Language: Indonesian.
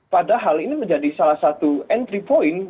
padahal ini menjadi salah satu entry point